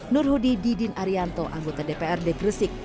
nur hudi didin arianto anggota dprd gresik